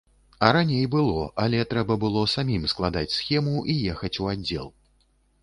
А раней было, але трэба было самім складаць схему і ехаць у аддзел.